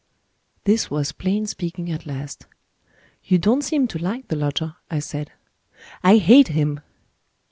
This was plain speaking at last. "You don't seem to like the lodger," I said. "I hate him!"